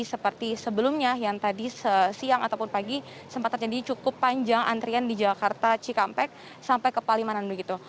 seperti sebelumnya yang tadi siang ataupun pagi sempat terjadi cukup panjang antrian di jakarta cikampek sampai ke palimanan begitu